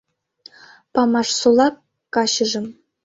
Памашсола качыжым